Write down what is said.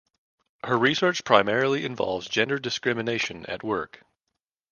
Her research primarily involves gender discrimination at work.